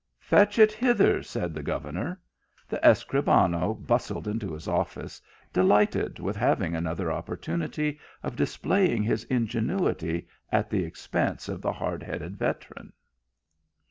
" Fetch it hither," said the governor. The Escribano bustled into his office, delighted with having another opportunity of displaying his ingenuity at the expense of the hard headed veteran.